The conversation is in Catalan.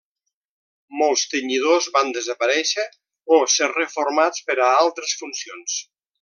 Molts tenyidors van desaparèixer, o ser reformats per a altres funcions.